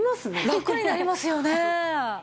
ラクになりますよね。